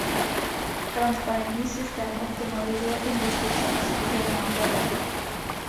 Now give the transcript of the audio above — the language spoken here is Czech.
Transparentní systém optimalizuje investice a snižuje náklady.